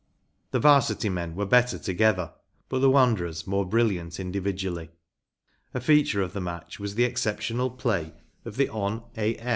The ’Varsity men were better to¬ gether, but the Wanderers more brilliant individually. A feature of the match was the exceptional play of the Hon. A.